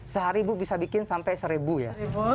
sehari ibu bisa bikin sampai seribu ya